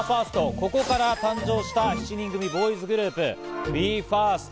ここから誕生した７人組ボーイズグループ、ＢＥ：ＦＩＲＳＴ。